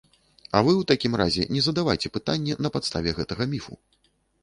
А вы ў такім разе не задавайце пытанне на падставе гэтага міфу.